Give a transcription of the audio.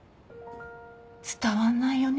伝わんないよね